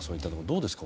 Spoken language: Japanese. どうですか？